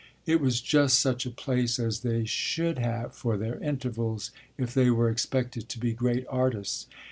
It was just such a place as they should have for their intervals if they were expected to be great artists.